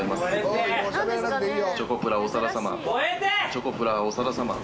チョコプラ長田さま。